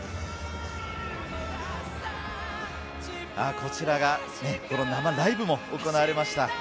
こちらが生ライブも行われました